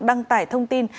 đăng tải thông tin